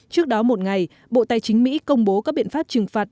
trước đó một ngày bộ tài chính mỹ công bố các biện pháp trừng phạt